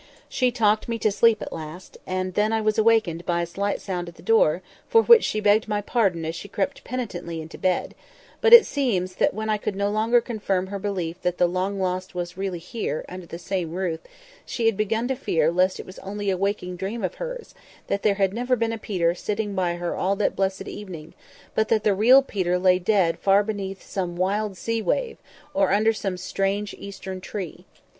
She talked me to sleep at last, and then I was awakened by a slight sound at the door, for which she begged my pardon as she crept penitently into bed; but it seems that when I could no longer confirm her belief that the long lost was really here—under the same roof—she had begun to fear lest it was only a waking dream of hers; that there never had been a Peter sitting by her all that blessed evening—but that the real Peter lay dead far away beneath some wild sea wave, or under some strange eastern tree.